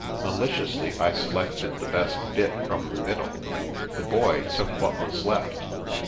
Maliciously, I selected the best bit from the middle. The boy took what was left.